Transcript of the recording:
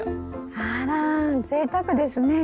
あらぜいたくですね。